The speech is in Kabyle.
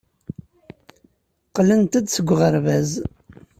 Qqlent-d seg uɣerbaz.